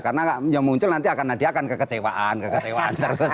karena yang muncul nanti dia akan kekecewaan kekecewaan terus